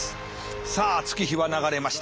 さあ月日は流れました。